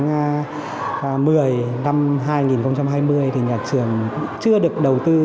năm hai nghìn hai mươi thì nhà trường chưa được đầu tư